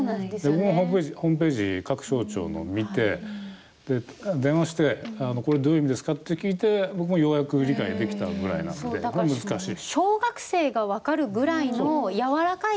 僕もホームページ各省庁のを見て、電話して、これどういう意味ですか？って聞いて僕もようやく理解ができたぐらいなのでこれは難しい。